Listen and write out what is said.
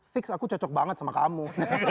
fix aku cocok banget sama kamu